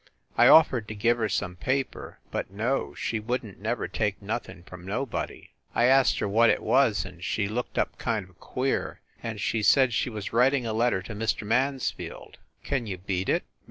I offered to give her some paper, but no, she wouldn t never take nothing from nobody. I asked her what it was, and she looked up kind of queer and she said she was writing a letter to Mr. Mansfield. Can you beat it?